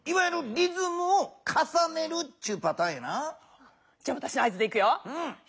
いわゆるじゃあわたしの合図でいくよ。